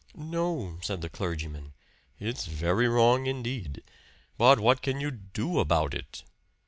"No," said the clergyman, "it's very wrong indeed. But what can you do about it?"